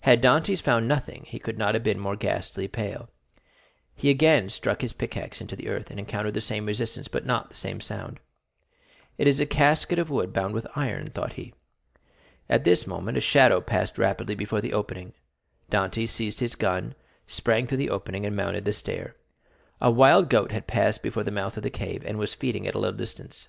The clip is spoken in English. Had Dantès found nothing he could not have become more ghastly pale. He again struck his pickaxe into the earth, and encountered the same resistance, but not the same sound. "It is a casket of wood bound with iron," thought he. At this moment a shadow passed rapidly before the opening; Dantès seized his gun, sprang through the opening, and mounted the stair. A wild goat had passed before the mouth of the cave, and was feeding at a little distance.